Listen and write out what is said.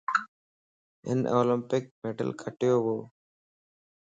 ھن اولمپڪ مڊل کٽيو وَ